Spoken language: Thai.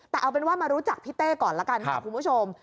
แต่เอาเป็นว่ามารู้จักพี่เต้ก่อนละกันค่ะคุณผู้ชม